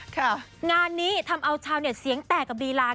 ค่ะงานนี้ทำเอาชาวเนี่ยเสียงแตกกับฤรา